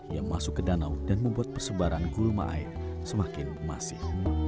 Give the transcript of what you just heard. yang masuk ke danau dan membuat persebaran gulma air semakin masif